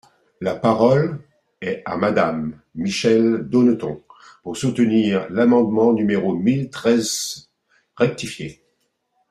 La parole est à Madame Michèle Bonneton, pour soutenir l’amendement numéro mille treize rectifié.